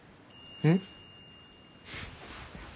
うん？